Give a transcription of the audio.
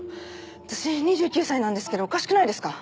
私２９歳なんですけどおかしくないですか？